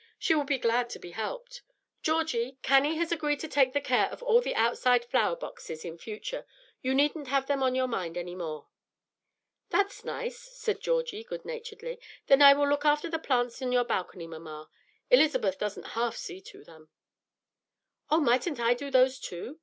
She will be glad to be helped. Georgie, Cannie has agreed to take the care of all the outside flower boxes in future. You needn't have them on your mind any more." "That's nice," said Georgie, good naturedly. "Then I will look after the plants on your balcony, mamma. Elizabeth doesn't half see to them." "Oh, mightn't I do those too?"